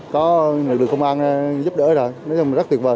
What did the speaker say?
có lực lượng công an giúp đỡ rồi nói chung mình rất tuyệt vời